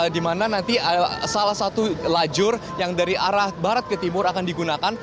di mana nanti salah satu lajur yang dari arah barat ke timur akan digunakan